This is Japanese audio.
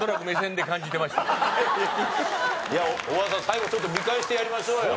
最後ちょっと見返してやりましょうよ。